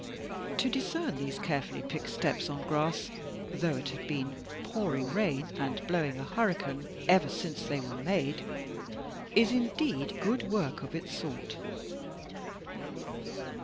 To discern these carefully picked steps on grass, though it had been "pouring rain and blowing a hurricane" ever since they were made, is indeed good work of its sort!